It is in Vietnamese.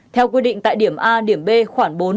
theo quy định tại điểm a điểm b khoảng bốn